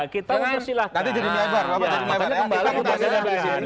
kita persilahkan nanti jadi melebar bapak jadi melebar